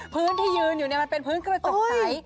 พื้นที่ยืนอยู่มันเป็นพื้นกระจกใส